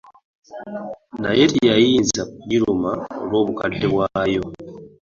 Naye teyayinza kugiruma olw'obukadde bwayo.